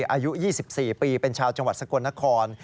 อายุ๒๔ปีเป็นชาวจังหวัดสกลนคร